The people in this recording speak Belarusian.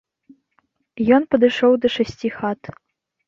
Ён падышоў да шасці хат.